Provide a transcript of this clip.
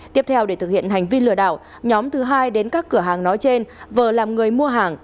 tiếp theo để thực hiện hành vi lừa đảo nhóm thứ hai đến các cửa hàng nói trên vờ làm người mua hàng